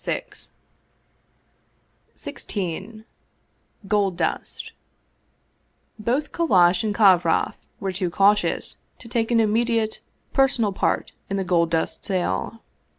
XVI GOLD DUST BOTH Kallash and Kovroff were too cautious to take an immediate, personal part in the gold dust sale.